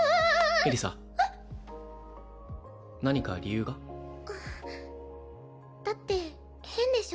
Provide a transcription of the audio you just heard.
エリサ何か理由が？だって変でしょ？